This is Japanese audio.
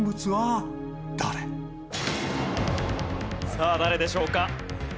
さあ誰でしょうか？